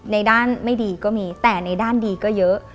ในด้านไม่ดีก็มีแต่ในด้านดีก็เยอะ